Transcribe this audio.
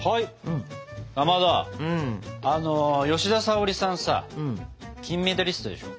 かまど吉田沙保里さんさ金メダリストでしょ？